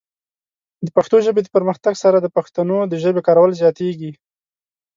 د پښتو ژبې د پرمختګ سره، د پښتنو د ژبې کارول زیاتېږي.